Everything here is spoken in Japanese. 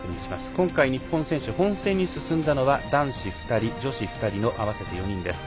今回、日本選手本戦に進んだのは男子２人、女子２人の合わせて４人です。